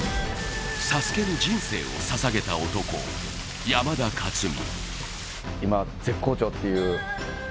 ＳＡＳＵＫＥに人生をささげた男山田勝己。